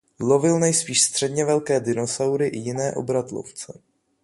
Lovil nejspíš středně velké dinosaury i jiné obratlovce.